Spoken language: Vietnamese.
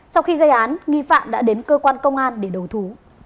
sau khi gây án nghi phạm đã đến cơ quan công an để đầu thú